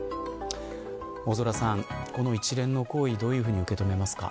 大空さん、この一連の行為どう受け止めますか。